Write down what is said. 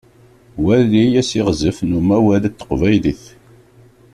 Wali asiɣzef n umawal n teqbaylit.